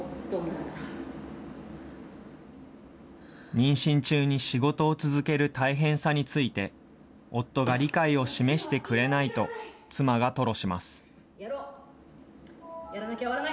妊娠中に仕事を続ける大変さについて、夫が理解を示してくれないと、妻が吐露します。